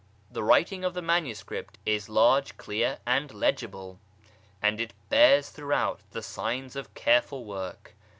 The writing of the manuscript is large, clear, and legible, and it bears throughout the signs of careful work.